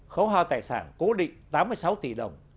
khấu hao tài sản cố định tám mươi sáu tỷ đồng